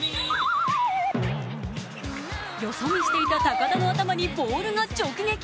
よそ見していた高田の頭にボールが直撃。